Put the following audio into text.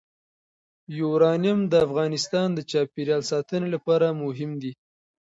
یورانیم د افغانستان د چاپیریال ساتنې لپاره مهم دي.